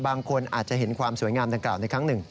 บางคนอาจจะเห็นความสวยงามดังกล่าในครั้งหนึ่ง